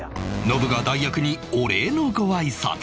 ノブが代役に御礼のご挨拶